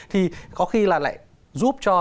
thì có khi là lại giúp cho